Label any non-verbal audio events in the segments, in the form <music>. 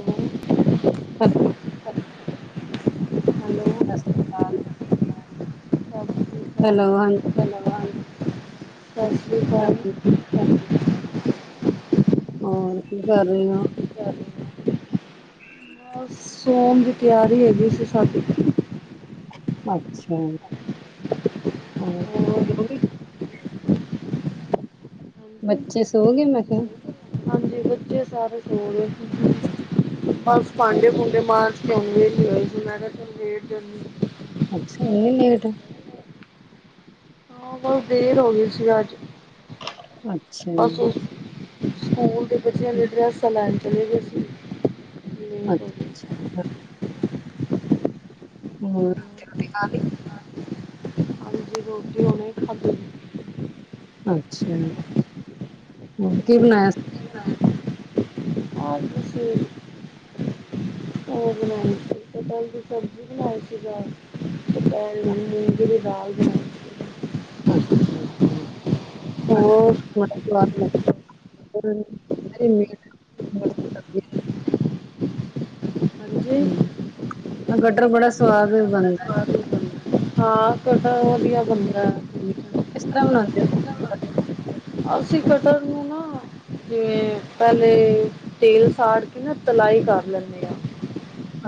Hello ਅੱਛਾ hello. ਸਤਿ ਸ਼੍ਰੀ ਅਕਾਲ ਸਤਿ ਸ਼੍ਰੀ ਹੈਲੋ ਹਾਂ ਅਕਾਲ ਧੰਨਵਾਦ ਸਤਿ ਸ੍ਰੀ ਅ, ਅਕਾਲ। ਕੀ ਕਰ ਹੋਰ, ਕੀ ਕਰ ਰਹੇ ਹੋ? ਰਹੇ ਹੋ? ਬਸ ਸੋਣ ਦੀ ਤਿਆਰੀਹੀ ਹੈਗੀ ਸੀ ਸ਼ਢੀ। ਅੱਛਾ, ਹੋਰ ਹਾਂਜੀ ਬੱਚੇ ਸੋ ਗਏ ਮੈਂ ਕਿਹਾ ਹਾਂਜੀ ਬੱਚੇ ਸਾਰੇ ਸੋ ਗਏ, ਬਸ ਅੱਛਾ ਜੀ। ਭਾਂਡੇ-ਭੂੰਡੇ ਮਾਜਂ ਹੁਣ ਵੇਲੀ ਹੋਈ ਸੀ ਮੈਂ ਕਿਹਾ ਲੇਟ ਜਾਂਦੀ ਆ। ਅੱਛਾ, ਇਹਨੀ ਲੇਟ। ਹਾਂ ਉਹ ਬਸ ਦੇਰ ਹੋ ਗਈ ਸੀ ਅੱਜ ਅੱਛਾ ਬਸ ਜੀ ਉਸ ਸਕੂਲ ਦੇ ਬੱਚਿਆਂ ਦੇ ਡਰਸਾਂ ਲੈਣ ਚਲੀ ਗਈ ਸੀ। ਲੇਟ ਹੋ ਗਏ ਅੱਛਾ-ਅੱਛਾ। ਹੋਰ ਰੋਟੀ-ਰਾਟੀ ਖਾਲੀ। ਜੀ ਰੋਟੀ ਉਹਨੇ ਹੀ ਖਾਦੀ ਏ। ਅੱਛਾ, ਹੋਰ ਕੀ ਬਣਾਇਆ? ਖੀਰ। ਉਹ ਬਣਾਈ ਸੀ। ਨਾਲ ਸਬਜ਼ੀ ਬਣਾਈ ਸੀ ਦੁਪਹਿਰ ਮੂੰਗੀ ਦੀ ਦਾਲ ਬਣਾਈ ਸੀ। ਹੋਰ ਅੱਛਾ-ਅੱਛਾ। <unintelligible> ਹਾਂਜੀ ਹੂੰ, ਮੈ ਕਟਹਲ ਬੜਾ ਸਵਾਦ ਬੰਦਾ ਹੈ। ਹਾਂ ਕਟਹਲ ਵਧੀਆ ਹੈ। ਬੰਦਾ। ਕਿਸ ਤਰ੍ਹਾਂ ਬਣਾਦੇ ਹੋ? ਅਸੀ ਕਟਰਹਲ ਨੂੰ ਨਾ ਜਿਵੇਂ ਪਹਿਲੇ ਤੇਲ ਸਾੜ ਕੇ ਨਾ ਤਲਾਈ ਕਰ ਲੈਂਦੇ ਹਾ।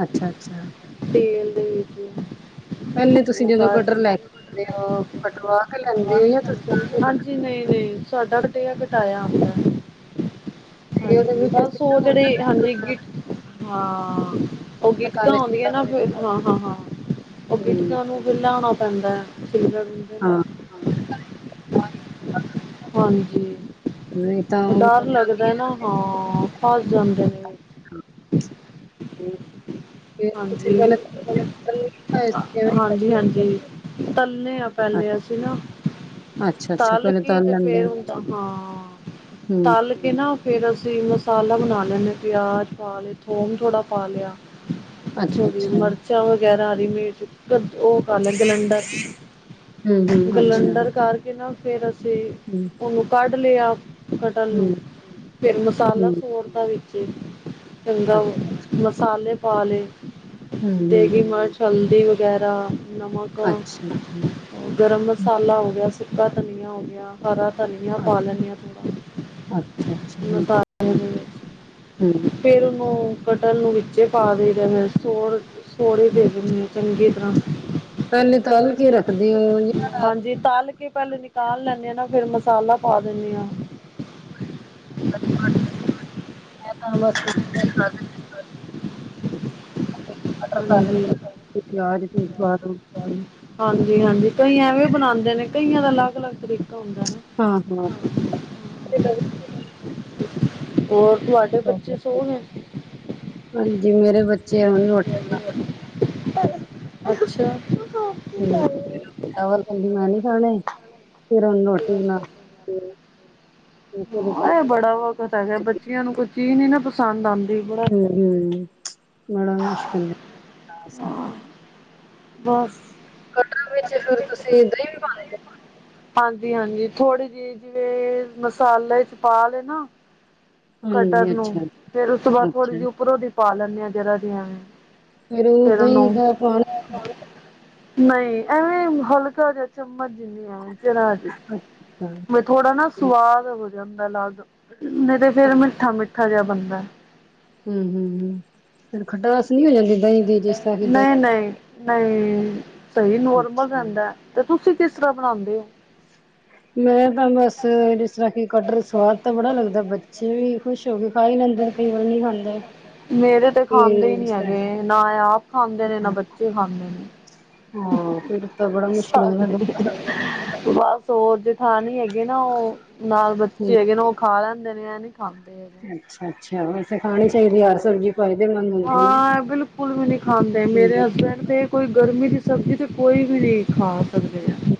ਅੱਛਾ-ਅੱਛਾ। ਤੇਲ ਦੇ ਵਿੱਚ ਪਹਿਲੇ ਤੁਸੀਂ ਉਹ ਜਦੋਂ ਕਟਹਲ ਕਰਕੇ ਲੈਕੇ ਤੇ ਉਹ ਕਟਵਾ ਕੇ ਲੈਂਦੇ ਹੋ ਜਾਂ ਤੁਸੀਂ ਆਪ ਹੀ ਕੱਟਦੇ ਹਾਂਜੀ ਹੋ? ਨਹੀਂ ਨਹੀਂ ਸਾਡਾ ਕਟਿਆ- ਕਟਾਇਆ ਆਂਦਾ। ਤੇ ਉਹਦੇ ਵਿਚ ਬਸ ਉਹ ਜਿਹੜੇ ਹਾਂਜੀ ਗਿ ਹਾਂ। ਉਹ ਗਿੱਟਕਾਂ ਟਿਕਾਣੇ ਸਿੱਧਾ ਆਉਂਦੀਆਂ ਨਾ ਫੇਰ ਹਾਂ-ਹਾਂ-ਹਾਂ, ਉਹ ਹੂੰ, ਗਿਟਕਾਂ ਨੂੰ ਫੇਰ ਲਣਾ ਪੈਂਦਾ ਹੈ। ਠੀਕ ਆਜੀ। ਹਾਂ। ਹਾਂਜੀ, ਨਹੀਂ ਤਾਂ ਡਰ ਲੱਗਦਾ ਨਾ ਹਾਂ ਫਸ ਜਾਂਦੇ ਨੇ। ਹੋਰ। ਹਾਂਜੀ। ਹਾਂਜੀ-ਹਾਂਜੀ, ਤੱਲੇਨੇ ਹਾ ਅ ਪਹਿਲੇ ਅਸੀਂ ਨਾ। ਅੱਛਾ-ਅੱਛਾ ਤਲ ਪਹਿਲੇ ਕੇ ਤੇ ਲੈਂਦੇ ਫੇਰ ਹੋ ਹੁੰਦਾ ਹਾਂ ਹੂੰ, ਤਲ ਕੇ ਨਾ ਫਿਰ ਅਸੀਂ ਮਸਾਲਾ ਬਣਾ ਲੈਂਦੇ ਪਿਆਜ਼ ਪਾ ਲਏ, ਥੋਮ ਥੋੜ੍ਹਾ ਪਾ ਲਿਆ। ਥੋਣੀ ਅੱਛਾ-ਅੱਛਾ ਮਿਰਚਾਂ ਵਗੈਰਾ ਹਰੀ ਮਿਰਚ ਉਹ ਕਰ ਲੈ ਗਲੰਡਰ ਹੂੰ-ਹੂੰ, ਅੱਛਾ ਗਲੰਡਰ ਕਰਕੇ ਨਾ ਫੇਰ ਅਸੀਂ ਹੂੰ। ਉਹਨੂੰ ਕੱਢ ਲਿਆ ਕਟਹਲ ਨੂੰ ਹੂੰ, ਫਿਰ ਮਸਾਲਾ ਹੂੰ, ਫੋਰ ਦਾ ਵੀ ਕੰਦਾ ਅੱਛਾ ਮਸਾਲੇ ਪਾ ਲਏ ਹੂੰ-ਹੂੰ, ਦੇਗੀ ਮਰਚ ਹਲਦੀ ਵਗੈਰਾ ਨਮਕ ਅੱਛਾ-ਅੱਛਾ ਹੂੰ, ਗਰਮ ਮਸਾਲਾ ਹੋ ਗਿਆ ਸੁਕਾ ਧਨੀਆ ਹੋ ਗਿਆ। ਸਾਰਾ ਧਨੀਆਂ ਅ ਪਾ ਲੈਣੇ ਆ ਥੋੜ੍ਹਾ ਅੱਛਾ-ਅੱਛਾ ਹਾਂ, ਮਸਾਲੇ ਦੇ- ਹੂੰ। ਫੇਰ ਉਹਨੂੰ ਕਟਲ ਨੂੰ ਵਿੱਚੇ ਪਾ ਦਈ ਦਾ। ਸੋਹੜੇ ਹੂੰ, ਦੇ ਦਿੰਦੇ ਆ ਚੰਗੀ ਤਰ੍ਹਾਂ। ਪਹਿਲੇ ਤੱਲ ਕੇ ਰੱਖਦੀ ਹਾਂ। ਹਾਂਜੀ ਤੱਲ ਕੇ ਪਹਿਲੇ ਨਿਕਾਲ ਲੈਂਣੇ ਹਾਂ ਨਾ, ਫੇਿਰ ਮਸਾਲਾ ਪਾ ਦਿੰਣੇ ਹਾਂ। ਮੈ ਤਾਂ ਬਸ ਜਗਾਧਰੀ <inaudible> ਕਟਲ ਤੱਲ ਹਾਂਜੀ। ਕੇ, ਫੇਰ ਪਿਆਜ ਪਯੁਜ ਪਾ ਕੇ ਹਾਂਜੀ-ਹਾਂਜੀ ਕਈ ਆਂਵੇ ਵੀ ਬਣਾਦੇ ਨੇ ਕਈਆਂ ਦਾ ਅਲੱਗ- ਅਲੱਗ ਤਰੀਕਾ। ਹੁੰਦਾ ਨਾ ਹਾਂ। ਹੋਰ ਤੁਹਾਡੇ ਬੱਚੇ ਸੋ ਗਏ? ਹਾਂਜੀ ਮੇਰੇ ਬੱਚੇ ਆਂਣ ਵਾਲੇ। ਅੱਛਾ। ਹੂੰ ਚਾਵਲ ਕਹਿੰਦੇ ਮੈਂ ਨਹੀਂ ਖਾਣੇ ਫਿਰ ਉਹਨੂੰ ਰੋਟੀ ਬਣਾਤੀ ਏ। ਹਾਂ ਇਹ ਬੜਾ ਵਖਤ ਹੈਗਾ, ਬੱਚਿਆਂ ਨੂੰ ਕੋਈ ਚੀਜ਼ ਨੀ ਨਾ ਪਸੰਦ ਆਦੀ। ਹੂੰ ਬੜਾ ਮੁਸ਼ਕਿਲ ਏ ਟਾਸ ਬਸ। ਕਟਲ ਵਿੱਚ ਫੇਰ ਤੁਸੀਂ ਦਹੀਂ ਵੀ ਪਾਉਂਦੇ ਹਾਂਜੀ-ਹਾਂਜੀ ਥੋੜ੍ਹੀ ਜਿਹੀ ਜਿਵੇਂ ਮਸਾਲੇ ਚ ਪਾ ਲੇ ਨਾ। ਕਟਰ ਹਾਂਜੀ ਨੂੰ ਅੱਛਾ ਫੇਰ ਉਸ ਤੋਂ ਬਾਅਦ ਥੋੜ੍ਹੀ ਜਿਹੀ ਅੱਛਾ ਉੱਪਰੋਂ ਦੀ ਪਾ ਲੈਂਦੇ ਆਾਂ ਜਰਾ ਜਿਆ। ਫੇਰ ਦਹੀ ਤੇ ਹੋਰ ਨਹੀ ਐਵੇਂ ਹਲਕਾ ਜਿਆ। ਚਮਝ ਜਿਣੀ ਹਾਂ ਜਰਾ ਜੀ। ਥੋੜਾ ਨਾ ਸਵਾਦ ਹੋ ਜਾਂਦਾ ਅਲੱਗ ਨਹੀਂ ਤੇ ਫੇਿਰ ਮਿੱਠਾ-ਮਿੱਠਾ ਜਿਹਾ ਬਣਦਾ। ਹੂੰ-ਹੂੰ-ਹੂੰ ਫਿਰ ਖਟਆਸ ਨੀ ਹੋ ਜਾਂਦੀ ਦਹੀਂ ਦੀ ਜਿਸ ਤਰਾ ਕਿ ਦਹੀਂ ਨਹੀਂ-ਨਹੀਂ ਸਹੀ ਨੋਰਮਲ ਅੱਛਾ ਰਹਿੰਦਾ, ਤੇ ਤੁਸੀਂ ਕਿਸ ਤਰ੍ਹਾਂ ਬਣਾਦੇ ਹੋ? ਮੈਂ ਤਾਂ ਬਸ ਜਿਸ ਤਰ੍ਹਾਂ ਕਿ ਕਟਰ ਸਵਾਦ ਤਾਂ ਬੜਾ ਲੱਗਦਾ ਬੱਚੇ ਵੀ ਖੁਸ਼ ਹੋ ਕੇ ਖਾ ਹੀ ਲੈਂਦੇ ਨੇ ਕਈ ਵਾਰ ਨਹੀਂ ਖਾਂਦੇ ਮੇਰੇ ਤੇ ਖਾਂਦੇ ਹੀ ਇਸ ਨਹੀਂ ਤਰ੍ਹਾਂ ਹੈਗੇ ਨਾ ਇਹ ਆਪ। ਖਾਂਦੇ ਨੇ ਨਾ ਬੱਚੇ ਖਾਂਦੇ ਨੇ। ਹਾਂ ਫਿਰ ਤਾਂ ਬੜਾ ਮੁਸ਼ਕਿਲ ਹੋ ਸਾਡੇ ਜਾਂਦਾ ਬਸ। ਸੋਜ ਜੇਠਾਣੁ ਹੈਗੀ ਏ ਨਾ ਉਹ ਨਾਲ ਹੂੰ, ਬੱਚੇ ਹੈਗੇ ਨੇ ਉਹ ਖਾ ਲੈਂਦੇ ਨੇ ਨੀ ਖਾਂਦੇ ਹੈਗੇ। ਅੱਛਾ-ਅੱਛਾ ਵੈਸੇ ਖਾਣੀ ਚਾਹੀਦੀ ਹੈ ਹਰ ਸਬਜ਼ੀ। ਫਾਯਦੇਮੰਦ। ਹਾਂ ਬਿਲਕੁਲ ਵੀ ਨਹੀਂ ਖਾਂਦੇ ਮੇਰੇ ਹਸਬੈਂਡ ਤੇ ਕੋਈ ਗਰਮੀ ਦੀ ਸਬਜ਼ੀ ਤਾਂ ਕੋਈ ਵੀ ਨਹੀਂ ਖਾ ਸਕਦੇ ਹ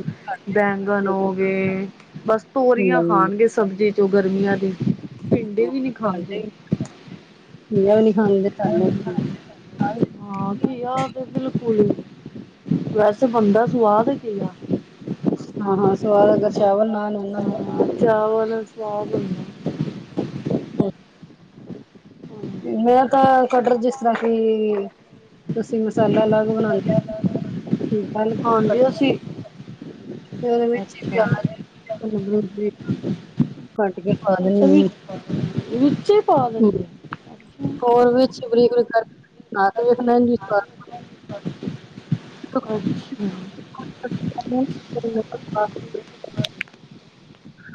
ਬੈਂਗਨ ਹੋ ਗਏ ਬਸ ਤੋਰੀਆਂ ਹਮ ਖਾਣਗੇ ਸਬਜ਼ੀ। ਗਰਮੀਆਂ ਦੀ ਪਿੰਡੀ ਵੀ ਨੀ ਖਾਂਦੇ। ਪਿੰਡੀਆ ਵੀ ਨਹੀਂ ਖਾਦੇ ਸਾਡੇ ਕੋਈ। ਹਾਂ ਘਿਆ ਦੇ ਬਿਲਕੂਲ ਈ ਨੀ। ਵੈਸ ਬਣਦਾ ਸੁਆਦ ਏ ਘਿਆ। ਹਾਂ-ਹਾਂ ਸਵਾਦ ਅਗਰ ਚਾਵਲ ਨਾਲ ਹੋਣ ਨਾ। ਚਾਵਲ ਸਵਾਦ ਹੁੰਦਾ। <unintelligible> ਮੈਂ ਬਣਦਾ ਤਾਂ ਕਟਲ ਜਿਸ ਤਰ੍ਹਾਂ ਕਿ ਤੁਸੀਂ ਮਸਾਲਾ ਅਲੱਗ ਬਣਾਦੇ। ਠੀਕਲ ਹਾਂਜੀ ਅਸੀਂ ਤੇ ਓਦੇ ਵਿਚ ਹੀ ਅੱਛਾ ਪਿਆਜ ਹਰਿਮਿਰਚ <inaudible> ਕਟ ਕੇ। ਪਾ ਅੱਛਾ, ਦਿੰਦੀ ਵਿੱਚ ਹੀ ਪਾ ਦਿੰਦੇ, <unintelligible> ਵਿੱਚੇ ਪਾ ਹਾਂ। ਦਿੰਦੇ? ਹੋਰ ਵਿੱਚ ਬ੍ਰਰੀ-ਬ੍ਰੀਕ ਕਰਕੇ <unintelligible> <inaudible> <inaudible>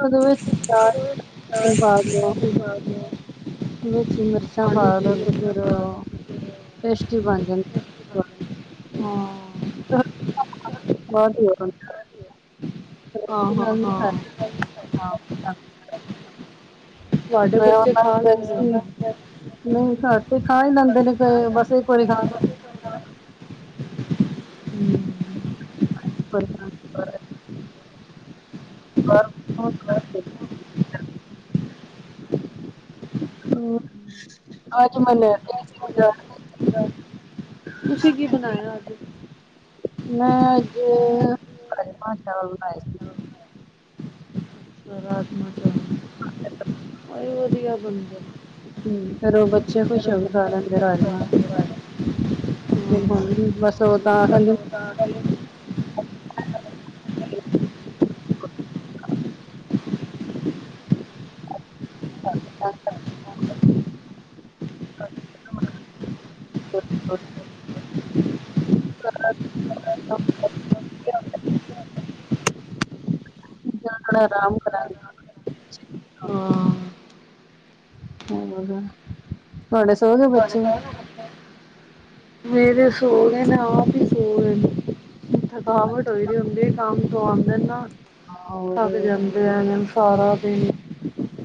ਉਹ ਵਿੱਚ <inaudible> <inaudible> ਵਿੱਚ ਮਿਰਚਾਂ ਪਾ ਦੋ ਤੇ ਹਾਂਜੀ। ਫਿਰ ਟਸਟੀ ਬਣ ਜਾਂਦੀ <unintelligible> ਹਾਂ, <unintelligible> ਹਾਂ ਰੋਟੀ ਹਾਂ ਨਾਲ ਨਹੀਂ ਹਾਂ। ਖਾਇਆ ਹਾਂ। ਹਾਂ। ਤੁਹਾਡੇ ਬੱਚੇ ਖਾ ਮੈਂ ਲੈਂਦੇ <inaudible> ਹੋਣੇ। ਨ੍ਹੀਂ ਘਰ ਤੇ ਖਾਏ ਜਾਂਦੇ ਨੇਂ <unintelligible> ਬਸ ਇੱਕ ਵਾਰੀ ਖਾ। <unintelligible> ਹਂ <inaudible> ਹੋਰ ਬਹੁਤ ਹਂ ਅਜ ਮਨਿਆ <unintelligible> <unintelligible> ਤੁਸੀਂ ਕੀ ਬਣਾਇਆ ਅੱਜ? ਮੈਂ ਅੱਜ, ਰਾਜਮਾ ਚਾਵਲ ਬਨਾਏ ਸੀ। ਰਾਜਮਾ <unintelligible> ਇਈ ਵਧੀਆ ਬਣਦੇ। ਹਂ, ਫਿਰ ਉਹ ਬੱਚੇ ਖੁਸ਼ ਹੋ ਕੇ ਖਾ ਲੈਂਦੇ ਰਾਜਮਾਂ। ਤੇ ਹੁਣ ਬਸ ਓਦਾਂ ਕਹਿੰਦੀ। ਤਾਂ <unintelligible> <inaudible> <inaudible> <inaudible> <unintelligible> ਆਰਾਮ ਕਰਾਂਗੀ। ਹਾਂ। ਹੋਰ, ਤੁਹਾਡੇ ਸੌ ਗੇ ਬੱਚੇ ਮੇਰੇ ਸੋ ਗਏ ਨੇਂ ਆਪ ਈ। <unintelligible> ਥਕਾਵਟ ਹੋ ਦੀ ਹੁੰਦੀ ਕੰਮ ਤੋਂ ਆਂਦੇ ਨਾਂ। ਹੋਰ ਥਗ ਜਾਂਦੇ ਆ ਸਾਰਾ ਦਿਨ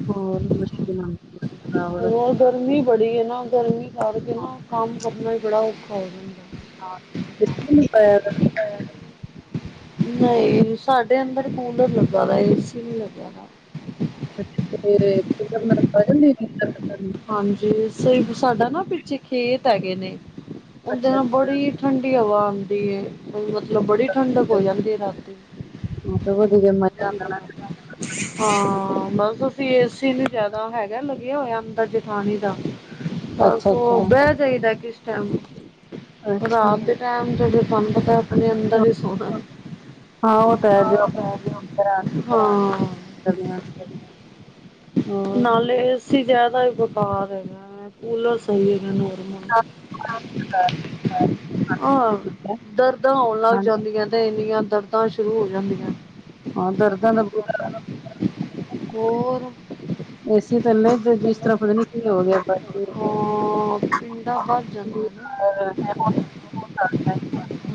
ਹੋਰ ਮ <inaudible> ਉਹ ਗਰਮੀ ਬੜੀ ਐ ਨਾਂ, ਗਰਮੀ ਕਰਕੇ ਨਾਂ ਕੰਮ ਕਰਨਾ ਈ ਬੜਾ ਔਖਾ ਹੋ ਜਾਂਦਾ। ਹਾਂ <inaudible> ਨਈਂ, ਸਾਡੇ ਅੰਦਰ ਕੂਲਰ ਲੱਗਾ ਦਾ, ਏਸੀ ਨੀਂ ਲੱਗਾ ਦਾ। ਅੱਛਾ <unintelligible> ਨਾਲ ਆ ਜਾਂਦੀ। ਹਾਂਜੀ, ਸਿ ਸਾਡਾ ਨਾਂ ਪਿੱਛੇ ਖੇਤ ਹੈਗੇ ਨੇਂ। ਉਦੇ ਨਾਲ ਬੜੀ ਠੰਡੀ ਹਵਾ ਆਂਦੀ ਏ। ਈ ਮਤਲਬ ਬੜੀ ਠੰਡ ਹੋ ਜਾਂਦੀ ਐ ਰਾਤ ਨੂੰ ਵਧੀਆ <unintelligible> ਮਜ਼ਾ ਵਧੀਆ ਆਣਾ ਮੌਸ ਹਾਂ, ਬਸ ਅਸੀਂ ਏਸੀ ਨੂੰ ਜਿਆਦਾ ਹੈਗਾ ਲੱਗਿਆ ਹੋਇਆ ਅੰਦਰ ਜਠਾਣੀ ਦਾ ਬਸ ਅੱਛਾ ਅੱਛਾ ਉਹ, ਬਹਿ ਜਾਾਈਦਾ ਕਿਸ ਟਾਈਮ ਅੱਛਾ ਰਾਤ ਦੇ ਟੈਮ ਜਦ ਮਨ ਪਤਾ ਆਪਣੇ ਅੰਦਰ ਹੀ ਸੋਣਾ। ਹਾਂ ਉਹ ਤਾਂ ਹੈ ਆਹ ਜੋ ਉਹ ਡ <unintelligible> ਹਾਂ। <unintelligible> ਨਾਲੇ ਅਸੀਂ ਜ਼ਿਆਦਾ ਹੀ ਬੇਖਾਰ ਹੈਗਾ, ਕੂਲਰ ਸਹੀ ਹੈਗਾ <unintelligible> <unintelligible> ਆਅ ਦਰਦਾਂ ਹੋਣ ਲੱਗ ਜਾਂਦੀਆਂ ਤੇ ਇੰਨੀਆਂ ਦਰਦਾਂ ਤਾਂ ਸ਼ੁਰੂ ਹੋ ਜਾਂਦੀਆਂ। ਹਾਂ ਦਰਦਾਂ ਦਾ ਬੁਰਾ ਹੋਰ ਏਸੀ ਥੱਲੇ ਜਿਸ ਤਰ੍ਹਾਂ ਪਤਾ ਨੀ ਕੀ ਹੋ ਗਿਆ ਬ ਭ ਜਾਂ।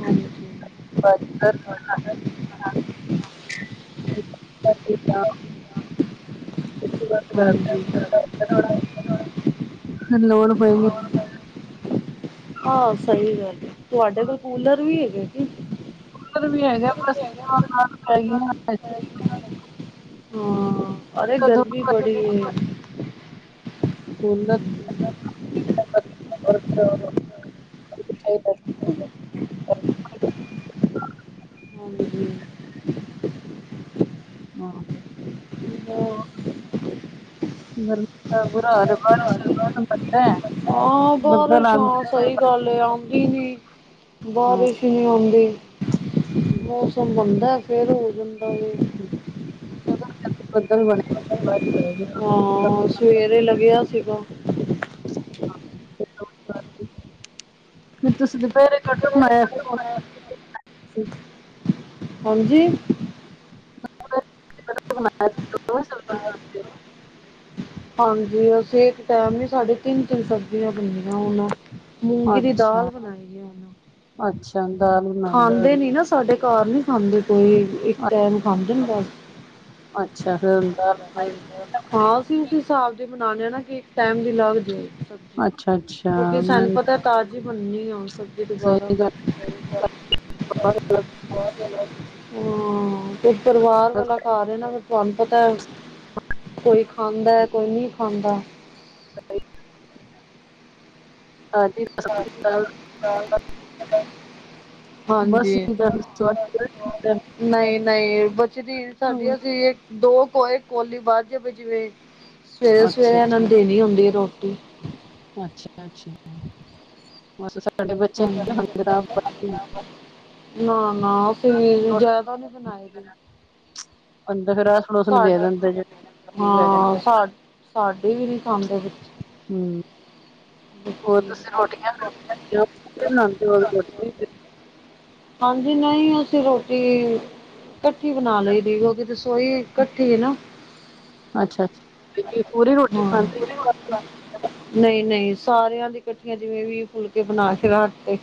ਹਾਂਜੀ ਹਾਜੀ। ਲੋੜ ਹੋਏਗੀ। ਆਹੋ ਸਹੀ ਗੱਲ ਹੈ ਤੁਹਾਡੇ ਕੋਲ ਕੂਲਰ ਵੀ ਹੈਗੇ ਕੀ। ਕੂਲਰ ਵੀ ਹੈਗਾ ਬਸ ਪੈਗੀ ਨਾ ਹਾਂ ਅਰੇ ਗਰਮੀ ਬੜੀ ਹੈ। ਹੁਣਾ। ਹ। ਹਾਂਜੀ। ਹਾਂ। ਬਸ ਬੜਾ ਬੁਰਾ ਹਾਲ ਏ ਬਾਰਿਸ਼ ਦਾ ਮੌਸਮ ਬਣਿਆ। ਹਾਂ ਬਾਹਰਸ਼ ਹਾਂ ਸਹੀ ਗੱਲ ਏ ਆਉਂਦੀ ਨੀ। ਹਾਂ ਬਾਰਿਸ਼ ਹੀ ਨਹੀਂ ਆਉਂਦੀ ਮੌਸਮ ਬਣਦਾ ਫਿਰ ਹੋ ਜਾਂਦਾ ਵੇ। ਬਦਲ ਬਣਾ। ਹਾਂ ਸਵੇਰੇ ਲੱਗਿਆ ਸੀਗਾ। ਫ ਤੁਸੀਂ। ਦੁਪਹਿਰੇ ਕਟਹਲ ਬਣਾਇਆ ਫਿਰ ਕਟਹਲ ਹਾਂਜੀ। ਸ। ਹਾਂਜੀ ਅਸੀਂ ਇੱਕ ਟਾਈਮ ਹੀ ਸਾਡੇ ਤਿੰਨ ਤਿੰਨ ਸਬਜ਼ੀਆਂ ਬੰਦਿਆਂ ਹੁਣ। ਹੋ ਮੂੰਗੀ ਦੀ ਅੱਛਾ ਦਾਲ ਬਣਾਈ ਆ ਉਹ ਅੱਛਾ ਦਾਲ ਬਣਾਈ ਖਾਂਦੇ ਫਿਰ ਨੀ ਨਾ। ਸਾਡੇ ਘਰ ਨੀ ਖਾਂਦੇ ਕੋਈ ਇੱਕ ਅ- ਟਾਈਮ ਖਾਂਦੇ ਨੇ ਬਸ। ਅੱਛਾ ਹ। ਹਾਂ ਅਸੀਂ ਉਸ ਹਿਸਾਬ ਦੇ ਬਨਾਨੇ ਹਾਂ ਨਾ ਕਿ ਇੱਕ ਟਾਈਮ ਦੀ ਲੱਗ ਜੇ। ਅੱਛਾ ਅੱਛਾ ਕਿਉਂਕਿ ਮੈਂ ਸਾਨੂੰ ਪਤਾ। ਤਾਜ਼ੀ ਬਣਨੀ ਆ ਹੁਣ ਸਬਜ਼ੀ ਦੁਬਾਰਾ। ਸਹੀ ਗੱਲ ਹਾਂ ਹੈ। ਤੇ ਪਰਿਵਾਰ ਬਸ ਵਾਲਾ ਕਾਰ ਨਾ ਫ ਤੁਹਾਨੂੰ ਪਤਾ। ਕੋਈ ਖਾਂਦਾ ਕੋਈ ਨਹੀਂ ਖਾਂਦਾ। ਹਾਂਜੀ। ਹ। ਹਾਂਜੀ। ਬਸ ਇਹਦਾ ਫਿਰ ਸਵਾਦ ਲੱਗਦਾ ਹੈ। ਨਹੀਂ ਨਹੀਂ ਬਚਦੀ ਹਮ, ਸਾਡੀਆਂ ਸੀ। ਦੋ ਕੋ ਏਕ <unintelligible> ਕੋਲੀ ਵੱਧ ਜਾਵੇ ਜਿਵੇਂ ਸਵੇਰੇ ਅੱਛਾ ਸਵੇਰੇ ਇਹਨਾਂ ਨੂੰ ਅੱਛਾ ਦੇਣੀ ਹੁੰਦੀ ਹੈ ਰੋਟੀ। ਅੱਛਾ ਅੱਛਾ। ਉਹ ਸਾਡੇ। <unintelligible> ਖਾਂਦੇ ਤਾਂ ਆਪ ਹ। ਬੱਚੇ ਨੂੰ <inaudible> ਨਾਆ ਨਾਆ ਅਸੀਂ ਵੀ ਜਿਆਦਾ ਨੀ ਬਣਾਏਦੀ। ਅਦਾ ਫੇਰ। <unintelligible> ਸਾਡੇ ਹਾ ਨੇ ਸਾ ਸਾਡੇ ਵੀ ਨੀ ਖਾਂਦੇ ਹੂ ਹੋਰ ਬੱਚੇ ਤੁਸੀਂ ਰੋਟੀਆਂ। ਬਣਾਉਂਦੇ ਹੋ। ਹਾਂਜੀ ਨਹੀਂ ਅਸੀਂ ਰੋਟੀ। ਕੱਠੀ ਬਣਾ ਲਈ ਦੀ ਕਿਉਕ ਰ ਸੋਈ ਕੱਠੀ ਏ ਨਾ। ਅੱਛਾ ਅੱਛਾ ਜੀ, ਪੂਰੀ ਰੋਟੀ ਹਾ। ਖਾਂਦੇ ਨਈ-ਨਈ, ਸਾਰੇਆਂ ਦੀ ਕੱਠੀਆਂ ਜਿਵੇਂ ਵੀ ਫੁਲਕੇ ਬਣਾ ਏ ਸੀ ਫੇਰ ਰਾਤੇ,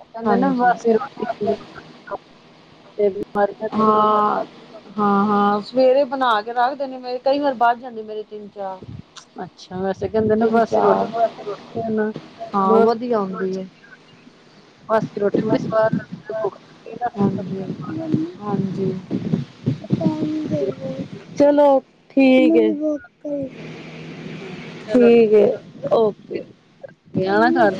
ਕਹਿੰਦੇ ਨਾ ਹਾਂਜੀ। ਬਾਸੀ ਰੋਟੀ <inaudible> ਦੂਰ ਹਾਂ, ਹਾ, ਹਾਂ ਸਵੇਰੇ ਬਣਾ ਕੇ ਰਾੱਖ ਦੇਨੀਆ, ਮੇਰੇ ਕਈ ਵਾਰ ਬਾਚ ਜਾਂਦੀ ਮੇਰੇ ਤਿੰਨ <unintelligible> ਅੱਛਾ, ਵੈਸੇ ਕੈਂਦੇ ਨਾ ਤਿੰਨ ਬਾਸੀ ਰੋਟ ਚਾਰ ਹਾਂ ਵਦੀਆ ਹੋਂਦੀ ਐ। ਬਾਸੀ ਰੋਟੀ ਬੜੀ ਸਵਾਦ <unintelligible> ਹਾਂਜੀ ਹਾਂਜੀ, ਚਲੋ ਠੀਕ ਏ। ਰੋਟੀ। <unintelligible> ਚਲੋ ਠੀਕ ਏ, ਓਕੇ। ਹੈ ਆਣਾ ਘਰ